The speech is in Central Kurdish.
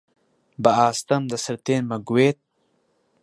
بەئاستەم دەسرتێنمە گوێت: